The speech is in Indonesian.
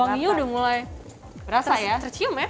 wanginya udah mulai tercium ya